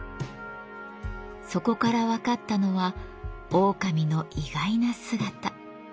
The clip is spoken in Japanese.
そこから分かったのはオオカミの意外な姿。